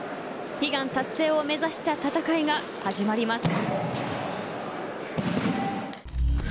悲願達成を目指した戦いが始まります。